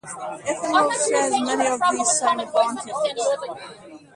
Ethanol shares many of these same advantages.